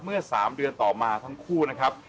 เมื่อ๓เดือนต่อมาทั้งคู่นะครับ